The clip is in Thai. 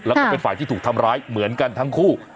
แล้วก็เป็นฝ่ายที่ถูกทำร้ายเหมือนกันทั้งคู่